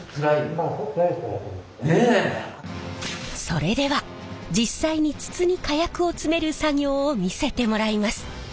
それでは実際に筒に火薬を詰める作業を見せてもらいます。